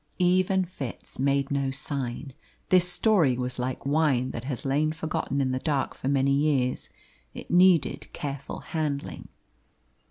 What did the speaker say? Eve and Fitz made no sign. This story was like wine that has lain forgotten in the dark for many years, it needed careful handling.